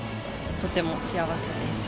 とても幸せです。